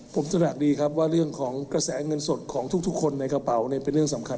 ผมตระหนักดีครับว่าเรื่องของกระแสเงินสดของทุกคนในกระเป๋าเนี่ยเป็นเรื่องสำคัญ